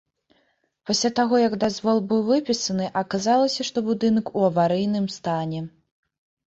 Пасля таго, як дазвол быў выпісаны, аказалася, што будынак ў аварыйным стане.